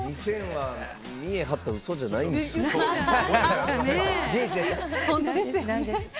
２０００は見栄張った嘘じゃないんですか。